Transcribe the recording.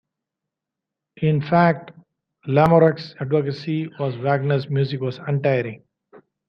In fact Lamoureux's advocacy of Wagner's music was untiring.